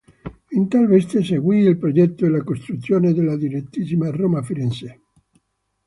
In tal veste seguì il progetto e la costruzione della Direttissima Roma-Firenze.